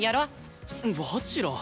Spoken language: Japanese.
蜂楽。